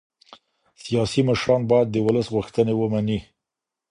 سياسي مشران بايد د ولس غوښتني ومني.